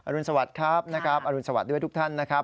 รุนสวัสดิ์ครับนะครับอรุณสวัสดิ์ด้วยทุกท่านนะครับ